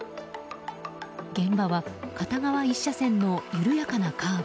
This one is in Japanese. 現場は片側１車線の緩やかなカーブ。